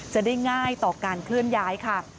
จะได้ง่ายต่อการเคลื่อนย้ายค่ะ